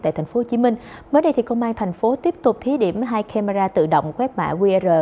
tại tp hcm mới đây công an tp hcm tiếp tục thí điểm hai camera tự động quét mã qr